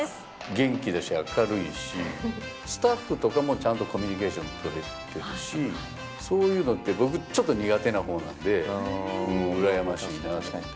元気だし、明るいし、スタッフとかも、ちゃんとコミュニケーション取れてるし、そういうのって僕、ちょっと苦手なほうなんで、羨ましいなって。